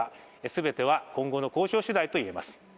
全ては今後の交渉次第と言えます。